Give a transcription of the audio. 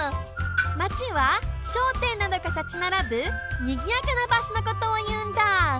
「街」はしょうてんなどがたちならぶにぎやかなばしょのことをいうんだ。